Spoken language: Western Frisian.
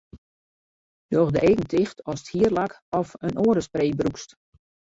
Doch de eagen ticht ast hierlak of in oare spray brûkst.